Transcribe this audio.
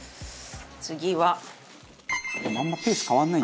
次は。